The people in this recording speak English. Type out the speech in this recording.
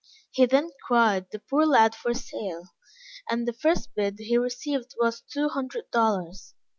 He then cried the poor lad for sale, and the first bid he received was two hundred dollars.